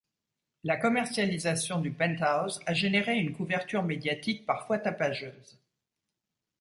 La commercialisation du penthouse a généré une couverture médiatique parfois tapageuse.